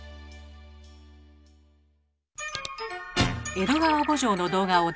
「江戸川慕情」の動画を大募集。